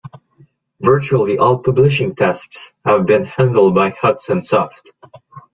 Virtually all publishing tasks have been handled by Hudson Soft.